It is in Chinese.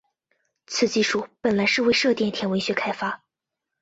此技术本来是为射电天文学开发。